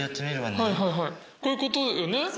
こういうことよね？